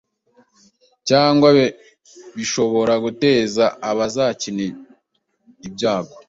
cyangwa bishobora guteza abazikina ibyago